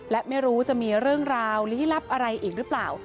และไม่รู้จะมีเรื่องราวลี้ลับอะไรอีกหรือเปล่า